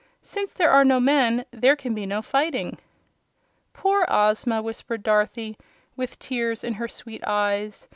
Since there are no men there can be no fighting." "Poor Ozma!" whispered Dorothy, with tears in her sweet eyes.